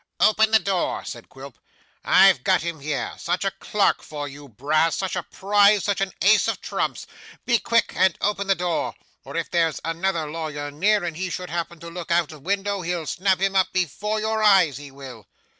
'Open the door,' said Quilp, 'I've got him here. Such a clerk for you, Brass, such a prize, such an ace of trumps. Be quick and open the door, or if there's another lawyer near and he should happen to look out of window, he'll snap him up before your eyes, he will.